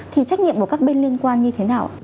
thì trách nhiệm của các bên liên quan như thế nào